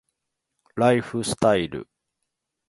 ライフスタイル